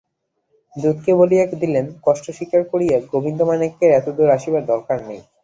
দূতকে বলিয়া দিলেন, কষ্ট স্বীকার করিয়া গোবিন্দমাণিক্যের এতদূর আসিবার দরকার নেই।